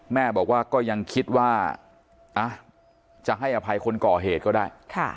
แม่บอกว่าก็ยังคิดว่าจะให้อภัยคนก่อเหตุก็ได้